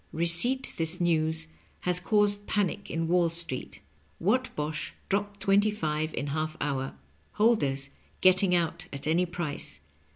Re ceipt this news has caused panic in Wall Street. Whatbosh dropped twenty five in half hour. Holders getting out at any price.